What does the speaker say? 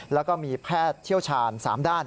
แล้วก็มีแพทย์เชี่ยวชาญ๓ด้าน